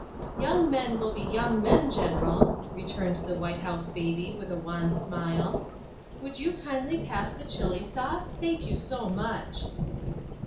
" Young men will be young men, General," returned the "White House Baby with a wan smile. '' Would you kindly pass the Chili sauce ? Thank you so much.